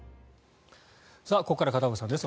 ここから片岡さんです。